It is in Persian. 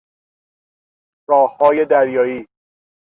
راههای دریایی